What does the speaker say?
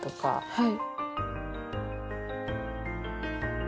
はい。